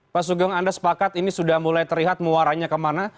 pak sugeng anda sepakat ini sudah mulai terlihat muaranya kemana